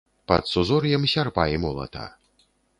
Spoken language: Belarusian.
Пад сузор'ем сярпа і молата.